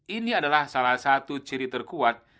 ini adalah salah satu ciri terkuat